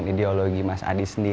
jadi rundahar ini